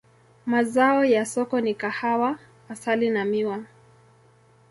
Mazao ya soko ni kahawa, asali na miwa.